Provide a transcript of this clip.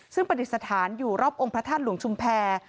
ซึ่งประดิษฐานอยู่รอบองพระธรรมหลวงชุมแพล